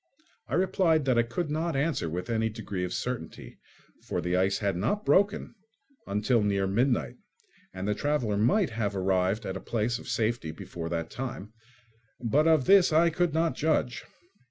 I replied that I could not answer with any degree of certainty, for the ice had not broken until near midnight, and the traveller might have arrived at a place of safety before that time; but of this I could not judge.